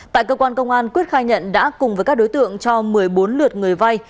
tại cơ quan công an quyết khai nhận đã cùng với các đối tượng cho một mươi bốn lượt người vay